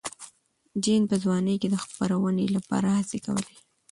جین په ځوانۍ کې د خپرونې لپاره هڅې کولې.